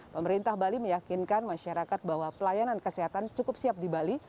pemerintah bali meyakinkan masyarakat bahwa pelayanan kesehatan cukup siap di bali